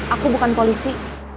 aku bukan polisi